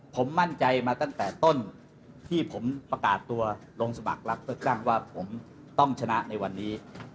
ผมมั่นใจมาตั้งแต่ต้นที่ผมประกาศตัวลงสมัครรับเลือกตั้งว่าผมต้องชนะในวันนี้